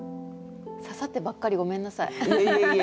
刺さってばっかりごめんなさい。